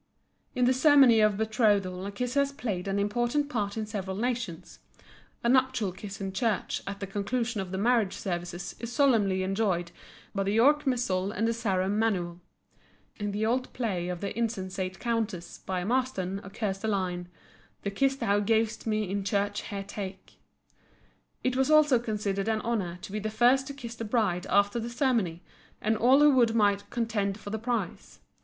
In the ceremony of betrothal a kiss has played an important part in several nations. A nuptial kiss in church at the conclusion of the marriage services is solemnly enjoined by the York Missal and the Sarum Manual. In the old play of "The Insensate Countess," by Marston, occurs the line: The kiss thou gav'st me in church here take, It was also considered an honor to be the first to kiss the bride after the ceremony, and all who would might contend for the prize.